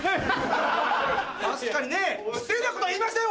確かにね失礼なことは言いましたよ！